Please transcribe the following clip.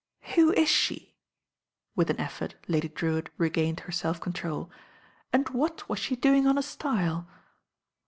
"Who is she?" With an effort Lady Drewitt re gained her self control, "and what was she doing on a stile?"